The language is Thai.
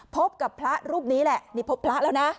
พบกับพระรูปนี้แหละนี่พบพระแล้วนะ